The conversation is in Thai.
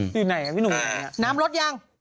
อยู่ไหนนะพี่นุ่มนี่ละะะน้ำแร็ดยัง